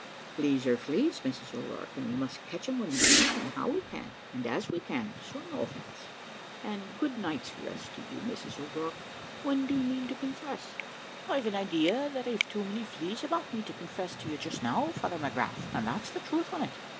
"`Fleas are fleas, Mrs O'Rourke, and we must catch 'em when we can, and how we can, and as we can, so no offence. A good night's rest to you, Mrs O'Rourke when do you mean to confess?' "`I've an idea that I've too many fleas about me to confess to you just now, Father McGrath, and that's the truth on it.